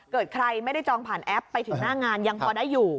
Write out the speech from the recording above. ใครไม่ได้จองผ่านแอปไปถึงหน้างานยังพอได้อยู่